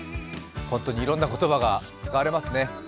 本当にいろんな言葉が使われますね。